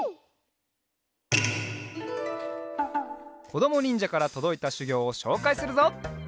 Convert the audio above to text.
こどもにんじゃからとどいたしゅぎょうをしょうかいするぞ！